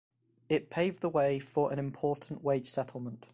It paved the way for an important wage settlement.